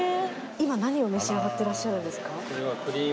今何を召し上がってらっしゃるんですか？